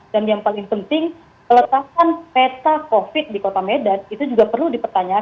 dan yang paling penting peletakan peta covid sembilan belas di kota medan itu juga perlu dipertanyakan